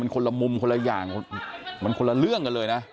คนละมุมคนละอย่างมันคนละเรื่องกันเลยนะ